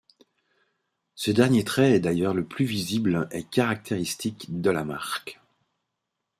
Ce dernier trait est d'ailleurs le plus visible et caractéristique de la marque.